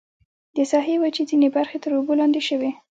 د ساحې وچې ځینې برخې تر اوبو لاندې شوې.